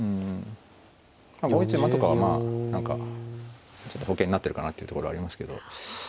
５一馬とかはまあ何かちょっと保険になってるかなっていうところありますけど。